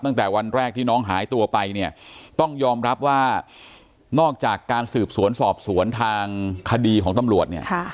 ตั้งแต่วันแรกที่น้องหายตัวไปเนี่ยต้องยอมรับว่านอกจากการสืบสวนสอบสวนทางคดีของตำรวจเนี่ย